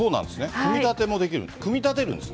組み立てもできる、組み立てるんですね。